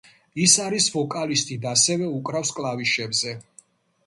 ის არის ვოკალისტი და ასევე უკრავს კლავიშებზე.